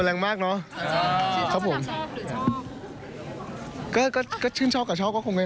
ในความน่ารักของเขาไง